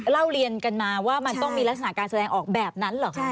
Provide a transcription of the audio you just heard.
เล่าเรียนกันมาว่ามันต้องมีลักษณะการแสดงออกแบบนั้นเหรอคะ